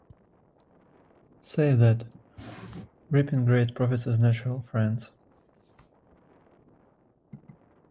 say that ...reaping great profits is natural, friends!